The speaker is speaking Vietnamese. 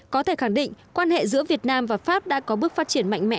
có thể khẳng định quan hệ giữa việt nam và pháp đã có bước phát triển mạnh mẽ